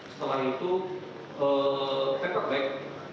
setelah itu paper bag